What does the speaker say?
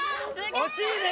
惜しいね。